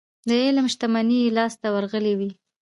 د علم شتمني يې لاسته ورغلې وي.